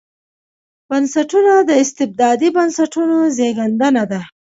بنسټونه د استبدادي بنسټونو زېږنده ده.